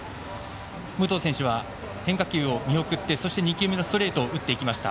武藤選手は変化球を見送ってそして、２球目のストレート打っていきました。